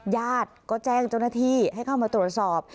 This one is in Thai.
ญาติก็แจ้งเจ้าหน้าที่ให้เข้ามาตรวจสอบ